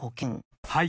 はい。